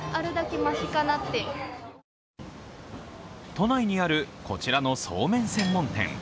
都内にあるこちらのそうめん専門店。